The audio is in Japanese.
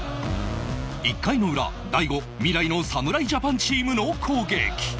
１回の裏大悟未来の侍ジャパンチームの攻撃